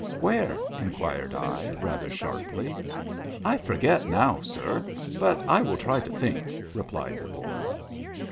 " Where ?" inquired I, rather sharply. " 1 forget now, sir, but I will try to think," replied the boy.